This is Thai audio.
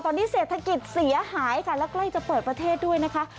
ตอนนี้เศรษฐกิจเสียหายค่ะแล้วใกล้จะเปิดประเทศด้วยนะคะ